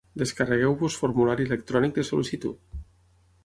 Descarregueu-vos formulari electrònic de sol·licitud.